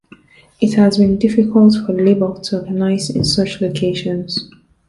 It has been difficult for labor to organize in such locations.